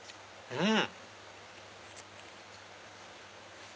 うん！